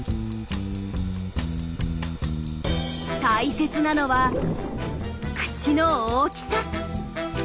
大切なのは口の大きさ。